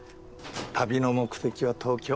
旅の目的は東京。